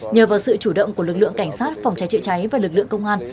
nhờ vào sự chủ động của lực lượng cảnh sát phòng cháy chữa cháy và lực lượng công an